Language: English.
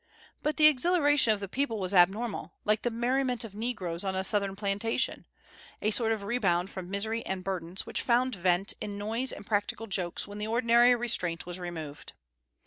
But the exhilaration of the people was abnormal, like the merriment of negroes on a Southern plantation, a sort of rebound from misery and burdens, which found a vent in noise and practical jokes when the ordinary restraint was removed.